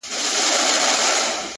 • دا مي سوگند دی؛